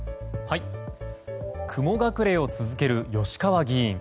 雲隠れを続ける吉川議員。